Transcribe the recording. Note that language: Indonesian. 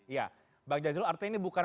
ya bang jazilul artinya ini bukan